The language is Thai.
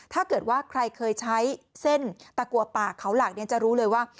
ถ้าเกิดว่าใครเคยใช้เส้นตะกัวป่าเขาหลักเนี่ยจะรู้เลยว่า